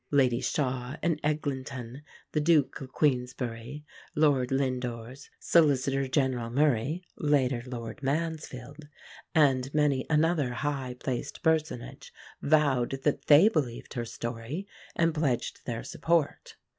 Ladies Shaw and Eglinton, the Duke of Queensberry, Lord Lindores, Solicitor General Murray (later, Lord Mansfield), and many another high placed personage vowed that they believed her story and pledged their support.